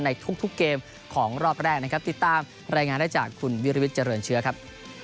ในทุกเกมของรอบแรกนะครับติดตามรายงานได้จากคุณวิริวิทยเจริญเชื้อครับ